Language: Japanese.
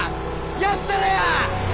やったれや！